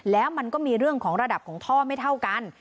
แล้วมันก็มีเรื่องของระดับของท่อไม่เท่ากัน